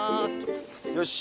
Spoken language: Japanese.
よし！